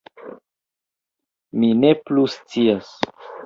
- Mi ne plu scias